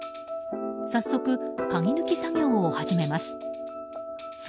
早速、鍵抜き作業を始めます。